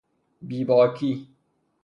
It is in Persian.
بی باکی